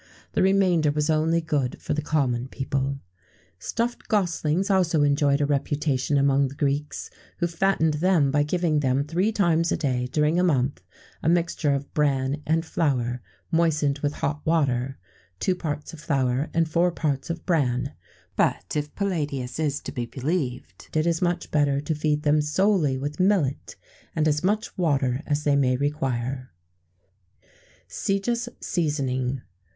The remainder was only good for the common people.[XVII 74] Stuffed goslings also enjoyed a reputation among the Greeks,[XVII 75] who fattened them by giving them, three times a day, during a month, a mixture of bran and flour, moistened with hot water (two parts of flour and four parts of bran); but, if Palladius is to be believed, it is much better to feed them solely with millet, and as much water as they may require.[XVII 76] _Sejus Seasoning.